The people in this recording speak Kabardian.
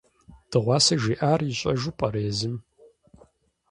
Дыгъуасэ жиӀар ищӀэжу пӀэрэ езым?